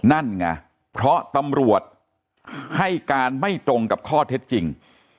นั่นไงเพราะตำรวจให้การไม่ตรงกับข้อเท็จจริง